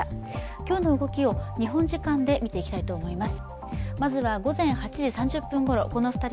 今日の動きを日本時間で見ていきたいと思います。